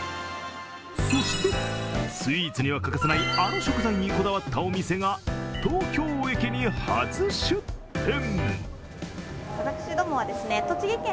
そしてスイーツには欠かせない、あの食材にこだわったお店が東京駅に初出店。